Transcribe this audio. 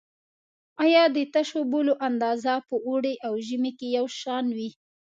آیا د تشو بولو اندازه په اوړي او ژمي کې یو شان وي؟